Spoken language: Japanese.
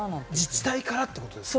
自治体からってことですか？